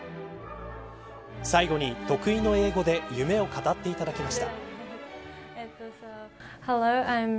最後に得意の英語で夢を語っていただきました。